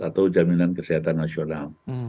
atau jaminan kesehatan nasional